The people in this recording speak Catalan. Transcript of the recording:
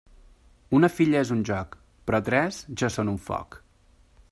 Una filla és un joc, però tres ja són un foc.